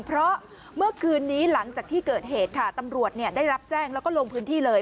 เพราะเมื่อคืนนี้หลังจากที่เกิดเหตุค่ะตำรวจได้รับแจ้งแล้วก็ลงพื้นที่เลย